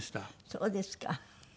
そうですか。